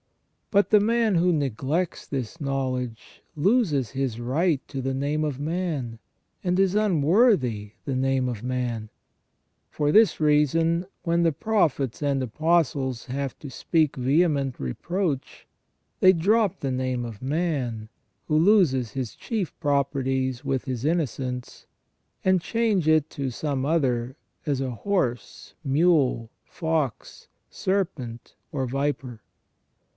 But the man who neglects this knowledge loses his right to the name of man, and is unworthy the name of man. For this reason, when the • S. August. , Super Psalm Ixxv. WHY MAN IS MADE TO THE IMAGE OF GOD. 47 Prophets and Apostles have to speak vehement reproach, they drop the name of man, who loses his chief properties with his innocence, and change it to some other, such as horse, mule, fox, serpent, or viper."